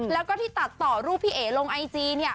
แล้วก็ที่ตัดต่อรูปพี่เอ๋ลงไอจีเนี่ย